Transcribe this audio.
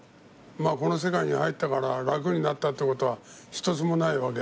まあこの世界に入ったから楽になったってことは一つもないわけで。